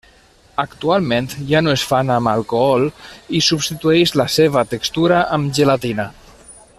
Actualment ja no es fan amb alcohol i substitueix la seva textura amb gelatina.